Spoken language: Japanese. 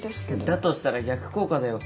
だとしたら逆効果だよ。